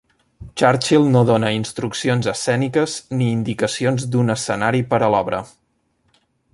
Churchill no dona instruccions escèniques ni indicacions d'un escenari per a l'obra.